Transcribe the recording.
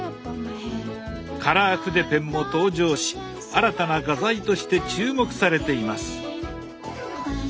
カラー筆ペンも登場し新たな画材として注目されています。